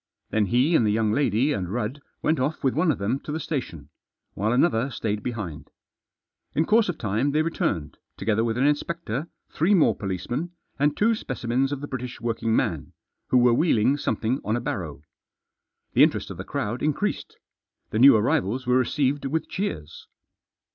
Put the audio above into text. Then he and the young lady and Rudd went off with one of them to the station, while another stayed behind. In course of time they returned, together with an inspector, three more policemen, and two specimens of the British working man, who were wheeling something on a barrow. The interest of the crowd increased. The new arrivals were received with cheers.